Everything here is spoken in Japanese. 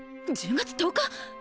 １０月１０日？